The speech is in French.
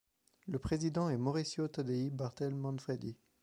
Le président est Mauricio Tadei Barthel Manfredi.